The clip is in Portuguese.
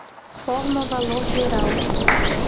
Forma-valor geral